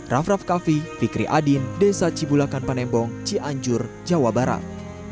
raff raff kaffi fikri adin desa cibulakan panembong cianjur jawa barat